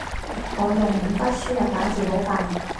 我用五筆輸入打字好快